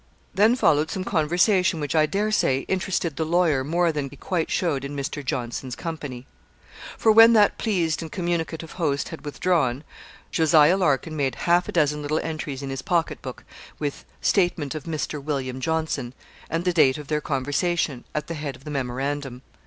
Then followed some conversation which, I dare say, interested the lawyer more than be quite showed in Mr. Johnson's company. For when that pleased and communicative host had withdrawn, Jos. Larkin made half a dozen little entries in his pocket book, with 'Statement of Mr. William Johnson,' and the date of their conversation, at the head of the memorandum.